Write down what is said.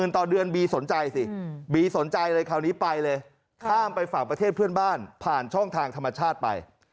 ต่อเดือนบีสนใจสิบีสนใจเลยคราวนี้ไปเลยข้ามไปฝั่งประเทศเพื่อนบ้านผ่านช่องทางธรรมชาติไป